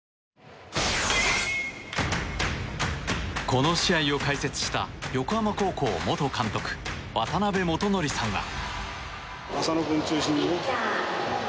この試合を解説した横浜高校元監督渡辺元智さんは。